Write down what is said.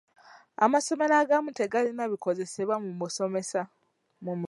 Amasomero agamu tegalina bikozesebwa mu musomesa.